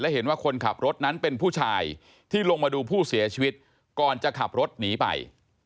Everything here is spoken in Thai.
เห็นว่าคนขับรถนั้นเป็นผู้ชายที่ลงมาดูผู้เสียชีวิตก่อนจะขับรถหนีไป